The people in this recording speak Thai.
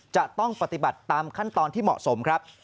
จะต้องปฏิบัติตามขั้นตอนที่เหมาะสมครับ